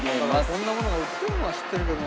こんなものが売ってるのは知ってるけど。